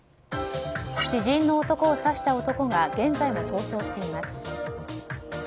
知人の男を刺した男が現在も逃走しています。